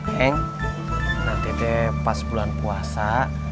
nanti deh pas bulan puasa